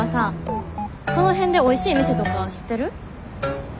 この辺でおいしい店とか知ってる？